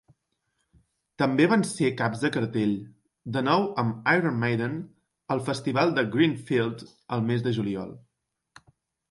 També van ser caps de cartell, de nou amb Iron Maiden, al Festival de Greenfield el mes de juliol.